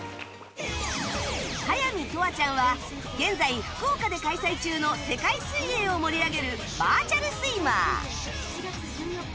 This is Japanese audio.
速水永遠ちゃんは現在福岡で開催中の世界水泳を盛り上げるバーチャルスイマー